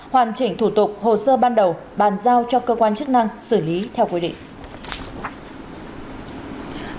hoàn chỉnh thủ tục hồ sơ ban đầu bàn giao cho cơ quan chức năng xử lý theo quy định